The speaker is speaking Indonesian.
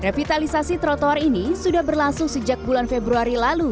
revitalisasi trotoar ini sudah berlangsung sejak bulan februari lalu